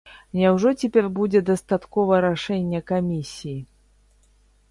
Няўжо цяпер будзе дастаткова рашэння камісіі?